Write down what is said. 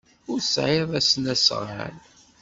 Ur tesɛiḍ asnasɣal.